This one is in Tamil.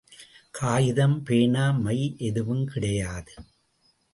காகிதம், பேனா, மை எதுவும் கிடையாது.